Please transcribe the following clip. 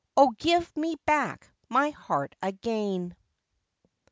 or give me back my heart again.